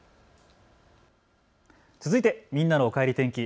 続いてみんなのおかえり天気。